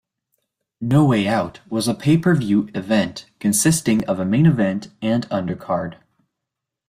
No Way Out was a pay-per-view event consisting of a main event and undercard.